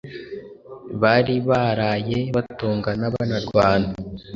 bari baraye batongana banarwana,